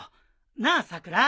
なあさくら。